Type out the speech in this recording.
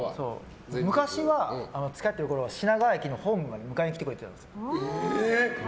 昔は、付き合ってるころは品川駅のホームまで迎えに来てくれてたんですよ。